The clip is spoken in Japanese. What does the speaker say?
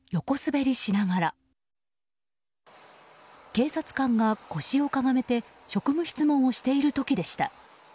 警察官が腰をかがめて職務質問をしている時でした。